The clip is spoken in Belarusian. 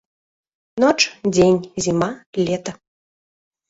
Ноч, дзень, зіма, лета.